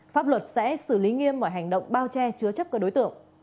pháp luật sẽ xử lý nghiêm mọi hành động bao che chứa chấp các đối tượng